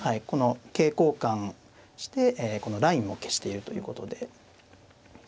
この桂交換してこのラインも消しているということで。